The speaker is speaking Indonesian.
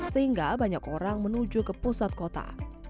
sehingga banyak orang menuju ke pusat kota